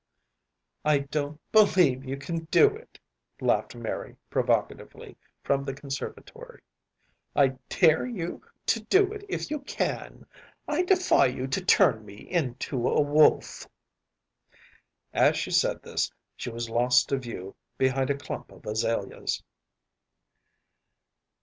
“I don’t believe you can do it,‚ÄĚ laughed Mary provocatively from the conservatory; “I dare you to do it if you can. I defy you to turn me into a wolf.‚ÄĚ As she said this she was lost to view behind a clump of azaleas.